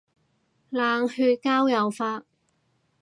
冷血交友法